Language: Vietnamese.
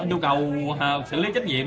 yêu cầu xử lý trách nhiệm